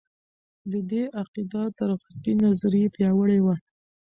د دې عقیده تر غربي نظریې پیاوړې وه.